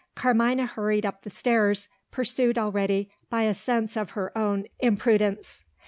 Carmina hurried up the stairs, pursued already by a sense of her own imprudence.